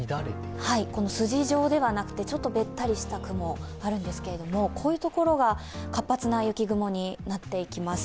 筋状ではなくてちょっとべったりした雲があるんですが、こういうところが活発な雪雲になっていきます。